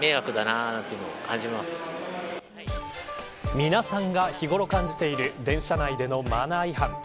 皆さんが日ごろ感じている電車内でのマナー違反。